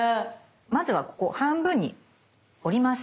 まずはここ半分に折ります。